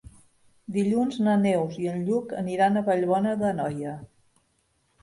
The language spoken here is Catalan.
Dilluns na Neus i en Lluc aniran a Vallbona d'Anoia.